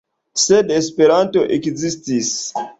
Sed Esperanto ekzistis!